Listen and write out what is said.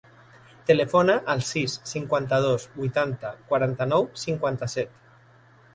Telefona al sis, cinquanta-dos, vuitanta, quaranta-nou, cinquanta-set.